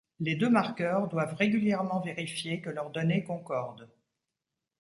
Les deux marqueurs doivent régulièrement vérifier que leurs données concordent.